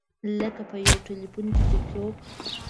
لکه په یو ټیلفون چې څوک.